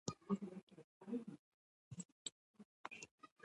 اوربيتال لاتيني کليمه ده چي د ځالي په معنا ده .